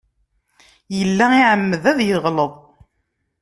Yella iεemmed ad yeɣleḍ.